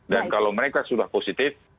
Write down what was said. dan kalau mereka sudah positif